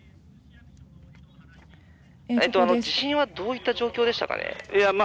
地震はどういった状況でしたかね？